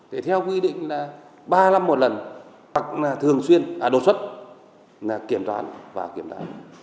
thì theo quy định là ba năm một lần hoặc là đột xuất kiểm toán và kiểm toán